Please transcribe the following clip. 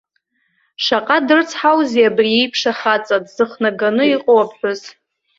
Шаҟа дрыцҳаузеи абри иеиԥш ахаҵа дзыхнаганы иҟоу аԥҳәыс.